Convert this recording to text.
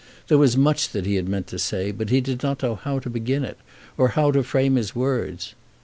There was much that he meant to say, but he did not know how to begin it, or how to frame his words.